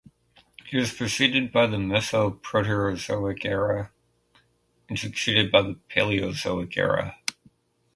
It is preceded by the Mesoproterozoic era and succeeded by the Paleozoic era.